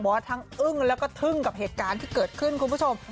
ว่าทั้งอึ้งแล้วก็ทึ่งกับเหตุการณ์ที่เกิดขึ้นคุณผู้ชม